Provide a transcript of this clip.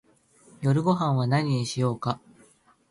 夜ごはんは何にしようか